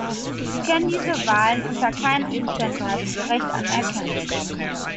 Wir können diese Wahlen unter keinen Umständen als gerecht anerkennen.